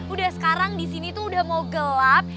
udah sekarang di sini tuh udah mau gelap